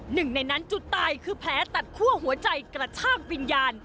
หนึ่งในนั้นจุดตายคือแผลตัดคั่วหัวใจกระชากวิญญาณ